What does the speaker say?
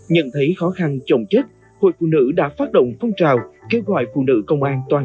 nhận thấy khó khăn trọng trách hội phụ nữ đã phát động phong trào kêu gọi phụ nữ công an toàn